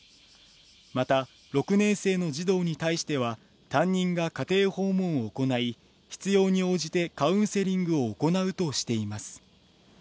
また、６年生の児童に対しては担任が家庭訪問を行い、必要に応じてカウンセリングを行うとしています。